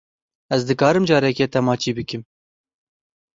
Ez dikarim carekê te maçî bikim?